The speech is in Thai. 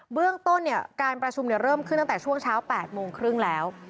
เรื่องต้นการประชุมเริ่มขึ้นตั้งแต่ช่วงเช้า๘โมงครึ่งแล้ว